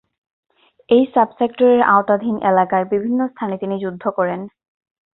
এই সাব-সেক্টরের আওতাধীন এলাকার বিভিন্ন স্থানে তিনি যুদ্ধ করেন।